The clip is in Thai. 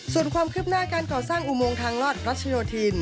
ส่วนความคืบหน้าการก่อสร้างอุโมงทางลอดรัชโยธิน